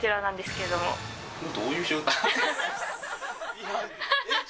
これ、どういう状態？